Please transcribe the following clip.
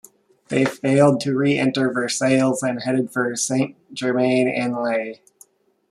They failed to re-enter Versailles and headed for Saint-Germain-en-Laye.